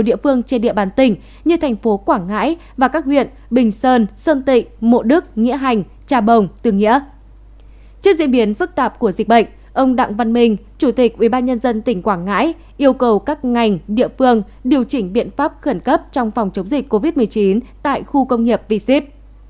trước diễn biến phức tạp của dịch bệnh ông đặng văn minh chủ tịch ubnd tỉnh quảng ngãi yêu cầu các ngành địa phương điều chỉnh biện pháp khẩn cấp trong phòng chống dịch covid một mươi chín tại khu công nghiệp v sip